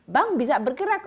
bank bisa bergerak